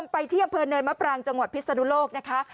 ไปที่อำเภอเนินมะปรางจังหวัดพิศนุโลกนะคะ